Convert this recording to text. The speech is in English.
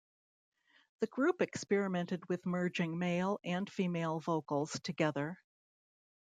The group experimented with merging male and female vocals together.